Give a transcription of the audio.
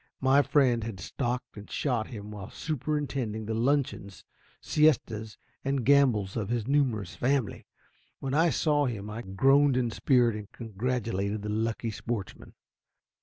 My friend had stalked and shot him while superintending the luncheons, siestas and gambols of his numerous family. When I saw him I groaned in spirit, and congratulated the lucky sportsman.